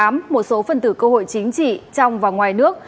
một số phần tử cơ hội chính trị trong và ngoài nước